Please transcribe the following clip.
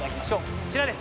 こちらです。